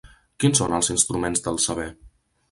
Quins són els instruments del saber?